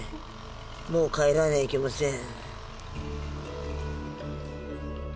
もう帰らにゃいけません